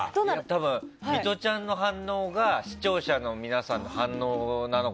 ミトちゃんの反応が視聴者の皆さんの反応なのか。